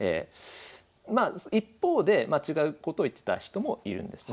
まあ一方で違うことを言ってた人もいるんですね。